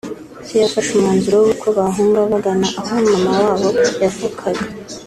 Se yafashe umwanzuro w’uko bahunga bagana aho mama wabo yavukaga